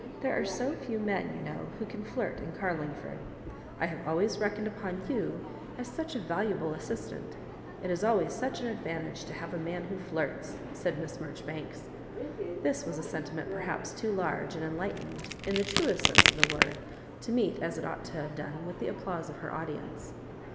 There are so few men, you know, who can flirt in Carlingford. I have always reckoned upon you as such a valuable assistant It is always such an advantage to have a man 'who flirts," said Miss Marjoribanks. This was a sentiment perhaps too large and enlightened, in the truest sense of the word, to meet, as it ought to have done, with the applause of her audience.